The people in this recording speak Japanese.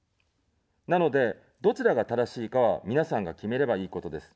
なので、どちらが正しいかは、皆さんが決めればいいことです。